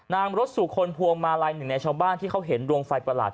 รถสู่คนพวงมาลัยหนึ่งในชาวบ้านที่เขาเห็นดวงไฟประหลาด